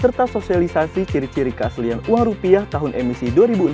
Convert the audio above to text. serta sosialisasi ciri ciri keaslian uang rupiah tahun emisi dua ribu enam belas